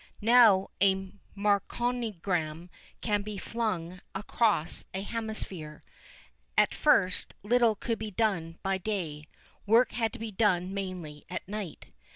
Now a marconigram can be flung across a hemisphere. At first little could be done by day, work had to be done mainly at night.